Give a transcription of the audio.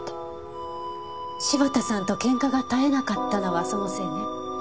柴田さんと喧嘩が絶えなかったのはそのせいね？